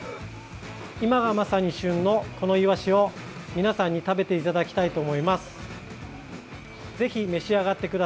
今が、まさに旬のこのイワシを皆さんに食べていただきたいと思います。